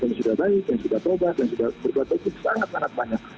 yang sudah baik yang sudah terobas yang sudah berbuat baik sangat sangat banyak